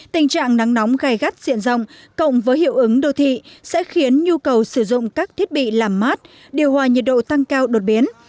tình trạng nắng nóng gai gắt diện rộng cộng với hiệu ứng đô thị sẽ khiến nhu cầu sử dụng các thiết bị làm mát điều hòa nhiệt độ tăng cao đột biến